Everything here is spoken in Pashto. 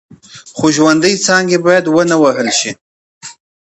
خو ژوندۍ څانګې باید ونه وهل شي.